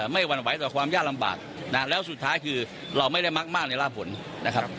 หวั่นไหวต่อความยากลำบากแล้วสุดท้ายคือเราไม่ได้มักมากในร่าผลนะครับ